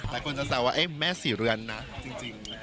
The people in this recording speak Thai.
แต่คนจะแสดงว่าแม่สีเรือนนะจริง